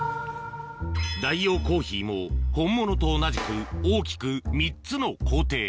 代用コーヒーも本物と同じく大きく３つの工程